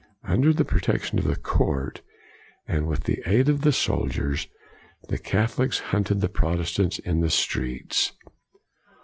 Under the protection of the court, and with the aid of soldiers, the Catholics hunted the Protestants in the streets.